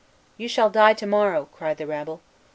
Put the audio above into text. "You shall die to morrow," cried the rabble.